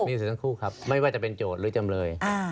มีสิทธิ์ทั้งคู่ครับไม่ว่าจะเป็นโจทย์หรือจำเลย